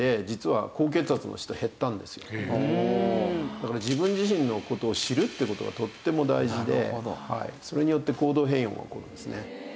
だから自分自身の事を知るって事がとっても大事でそれによって行動変容が起こるんですね。